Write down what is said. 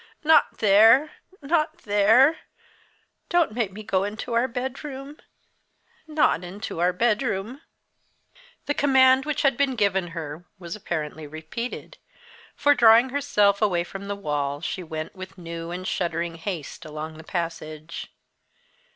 not there! not there! Don't make me go into our bedroom not into our bedroom!" The command which had been given her was apparently repeated, for, drawing herself away from the wall, she went with new and shuddering haste along the passage.